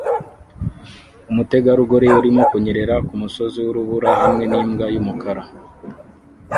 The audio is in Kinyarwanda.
umutegarugori urimo kunyerera kumusozi wurubura hamwe nimbwa yumukara